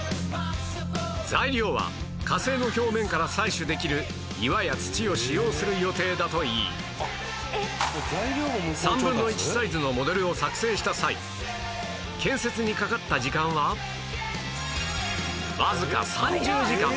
材料は火星の表面から採取できる岩や土を使用する予定だといい３分の１サイズのモデルを作成した際建設にかかった時間はわずか３０時間